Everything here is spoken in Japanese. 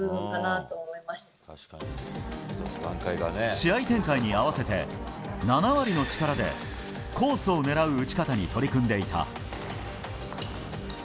試合展開に合わせて７割の力でコースを狙う打ち方に取り組んでいた。